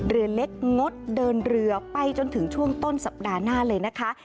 เรือเล็กงดเดินเรือไปจนถึงช่วงต้นสัปดาห์หน้าเลยนะคะ